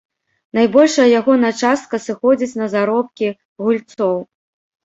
Найбольшая ягоная частка сыходзіць на заробкі гульцоў.